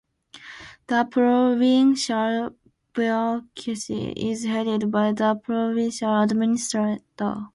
The provincial bureaucracy is headed by the provincial administrator.